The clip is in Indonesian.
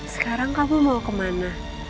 sekarang kamu mau kemana